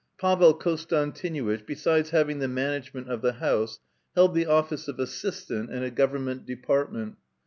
Pavel Konstantinuitch, bi'side having the management of the house, held the otBee of assistant {stoloncUchalnik) in a government department.